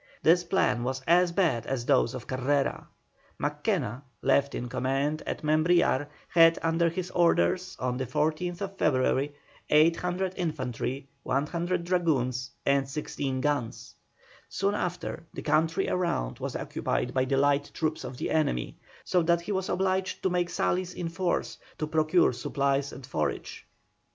This plan was as bad as those of Carrera. Mackenna, left in command at Membrillar, had under his orders on the 14th February, 800 infantry, 100 dragoons, and sixteen guns. Soon after the country around was occupied by the light troops of the enemy, so that he was obliged to make sallies in force to procure supplies and forage.